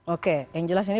oke yang jelas ini